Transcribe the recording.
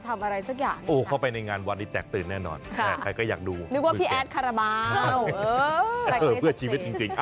ต้องการมีเป้าหมายในการไหว